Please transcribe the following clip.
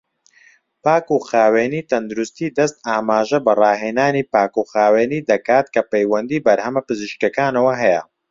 پاکوخاوێنی تەندروستی دەست ئاماژە بە ڕاهێنانی پاکوخاوێنی دەکات کە پەیوەندی بەرهەمە پزیشکیەکانەوە هەیە.